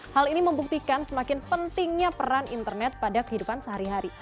hal ini membuktikan semakin pentingnya peran internet pada kehidupan sehari hari